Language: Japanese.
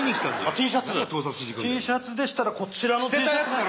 ＴシャツでしたらこちらのＴシャツなど。